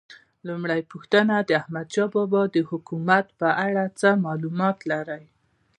لومړۍ پوښتنه: د احمدشاه بابا د حکومت په اړه څه معلومات لرئ؟